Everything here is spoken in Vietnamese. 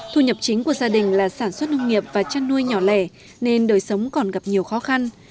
thu nhập chính của gia đình là sản xuất nông nghiệp và chăn nuôi nhỏ lẻ nên đời sống còn gặp nhiều khó khăn